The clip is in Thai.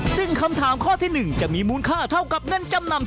ซึ่งคำถามข้อที่๑จะมีมูลค่าเท่ากับเงินจำนำ